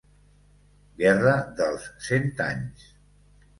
Guerra dels Cent Anys.